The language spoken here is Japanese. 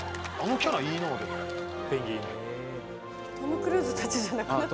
トム・クルーズたちじゃなくなってる。